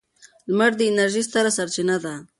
لمر د انرژۍ ستره سرچینه ده.